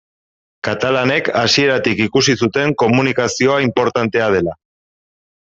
Katalanek hasieratik ikusi zuten komunikazioa inportantea dela.